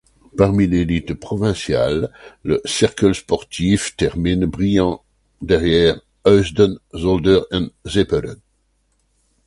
Parmi l'élite provinciale, le Cerkel Sportief termine brillant derrière Heusden Zolder et Zepperen.